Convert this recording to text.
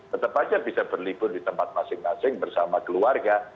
tetap saja bisa berlibur di tempat masing masing bersama keluarga